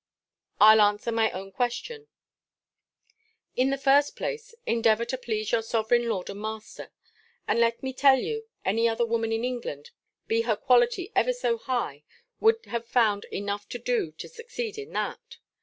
I'll answer my own question: In the first place, endeavour to please your sovereign lord and master; and let me tell you, any other woman in England, be her quality ever so high, would have found enough to do to succeed in that.